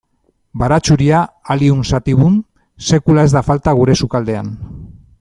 Baratxuria, Allium sativum, sekula ez da falta gure sukaldean.